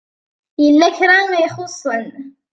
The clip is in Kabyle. Yella kra i ixuṣṣen.